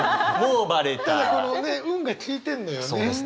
このね「うん」が効いてんのよね。